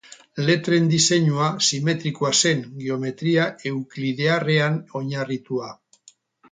Letren diseinua simetrikoa zen, geometria euklidearrean oinarritua.